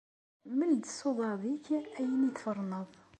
Mel-d s uḍad-nnek ayen ay tferneḍ.